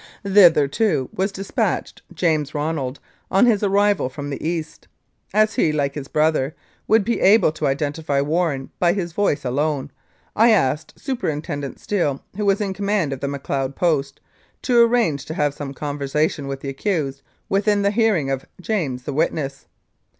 Thither, too, was dispatched James Ronald on his arrival from the East. As he, like his brother, would be able to identify Warren by his voice alone, I asked Superin tendent Steele, who was in command of the Macleod Post, to arrange to have some conversation with the accused within the hearing of James, the witness.